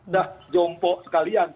dah jompo sekalian